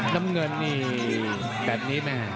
น้ำเงินนี่แบบนี้นะครับ